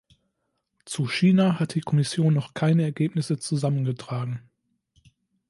Zu China hat die Kommission noch keine Ergebnisse zusammengetragen.